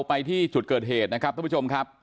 ไปที่จุดเกิดเหตุนะครับท่านผู้ชมครับ